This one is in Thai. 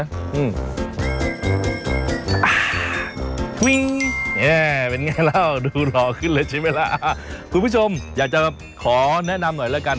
นี่เป็นไงแล้วดูหล่อขึ้นเลยใช่ไหมล่ะคุณผู้ชมอยากจะขอแนะนำหน่อยแล้วกัน